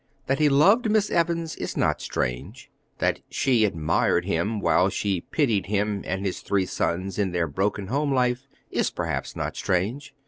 That he loved Miss Evans is not strange; that she admired him, while she pitied him and his three sons in their broken home life, is perhaps not strange.